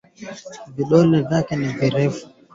Vidonda kwenye mdomo na koromeo